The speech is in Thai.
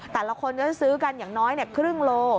แต่ละคนก็จะซื้อกันอย่างน้อยครึ่งโล